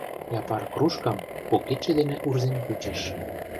Япар кружкам, кок кидше дене урзен кучыш.